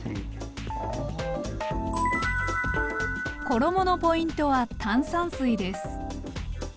衣のポイントは炭酸水です。